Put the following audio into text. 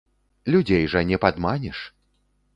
Людзей жа не падманеш.